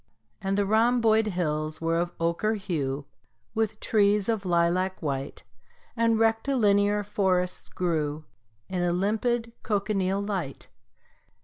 And the rhomboid hills were of ochre hue With trees of lilac white, And rectilinear forests grew In a limpid cochineal light.